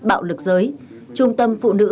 bạo lực giới trung tâm phụ nữ